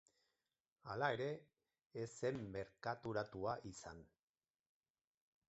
Hala ere, ez zen merkaturatua izan.